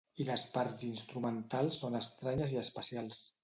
I les parts instrumentals són estranyes i espacials.